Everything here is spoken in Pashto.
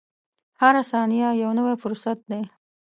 • هره ثانیه یو نوی فرصت دی.